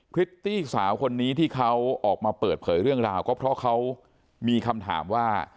พริตตี้สาวคนนี้ที่เขาออกมาเปิดเผยเรื่องราวก็เพราะเขามีคำถามว่า